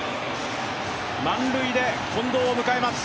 満塁で近藤を迎えます。